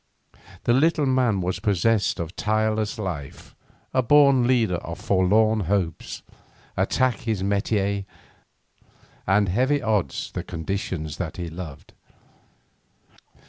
The little man was possessed of tireless life, a born leader of forlorn hopes, attack his métier, and heavy odds the conditions that he loved.